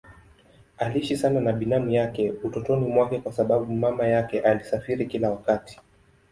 Aliishi sana na binamu yake utotoni mwake kwa sababu mama yake alisafiri kila wakati.